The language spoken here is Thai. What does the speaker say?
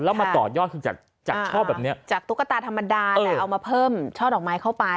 แล้วมาต่อยอดคือจากจากช่อแบบเนี้ยจากตุ๊กตาธรรมดาแต่เอามาเพิ่มช่อดอกไม้เข้าไป